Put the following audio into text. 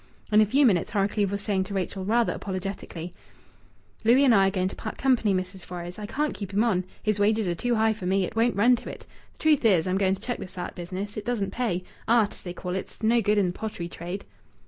In a few minutes Horrocleave was saying to Rachel, rather apologetically "Louis and I are going to part company, Mrs. Fores. I can't keep him on. His wages are too high for me. It won't run to it. Th' truth is, I'm going to chuck this art business. It doesn't pay. Art, as they call it, 's no good in th' pottery trade."